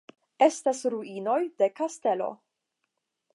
Estas ruinoj de kastelo.